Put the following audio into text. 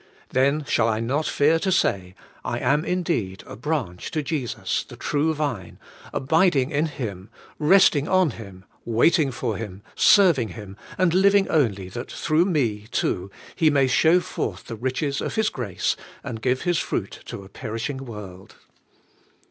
Then shall I not fear to say, 'I am indeed a branch to Jesus, the True Vine, abiding in Him, resting on Him, waiting for Him, serving Him, and living only that through me, too, He may show forth the riches of His grace, and give His fruit to a perishing world.